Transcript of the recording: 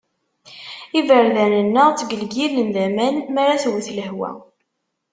Iberdan-nneɣ ttgelgilen d aman m'ara twet lehwa.